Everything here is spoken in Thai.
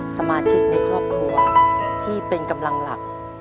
สมาชิกในครอบครัวที่เป็นกำลังหลัก